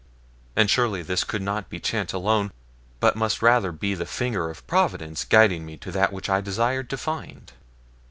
And surely this could not be chance alone, but must rather be the finger of Providence guiding me to that which I desired to find.